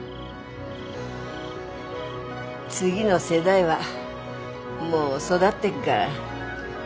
次の世代はもう育ってっがら。